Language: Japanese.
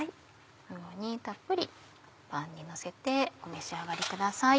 このようにたっぷりパンにのせてお召し上がりください。